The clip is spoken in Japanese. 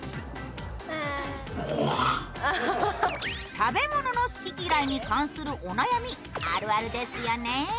食べ物の好き嫌いに関するお悩みあるあるですよね。